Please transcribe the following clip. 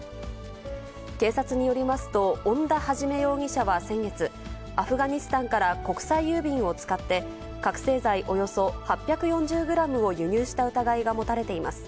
警察によりますと、恩田肇容疑者は先月、アフガニスタンから国際郵便を使って、覚醒剤およそ８４０グラムを輸入した疑いが持たれています。